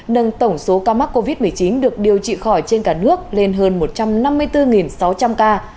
nâng tổng số ca mắc covid một mươi chín được điều trị khỏi trên cả nước lên hơn một trăm năm mươi bốn sáu trăm linh ca